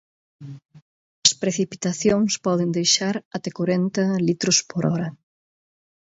As precipitacións poden deixar ata corenta litro por hora.